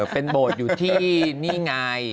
เป็นโบสถ์อยู่ที่นี่ไง